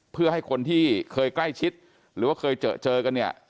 เพื่อให้คนที่เคยใกล้ชิดหรือว่าเคยเจอเจอกันเนี่ย